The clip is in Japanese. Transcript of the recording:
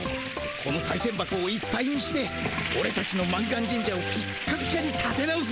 このさいせん箱をいっぱいにしてオレたちの満願神社をピッカピカにたて直すんだ。